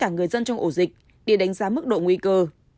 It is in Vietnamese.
người dân trong ổ dịch để đánh giá mức độ nguy cơ